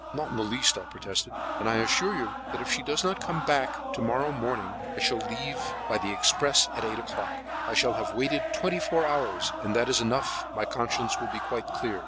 "Not in the least," I protested, "and I assure you that if she does not come back to morrow morning I shall leave by the express at eight o'clock. I shall have waited twenty four hours, and that is enough; my conscience will be quite clear."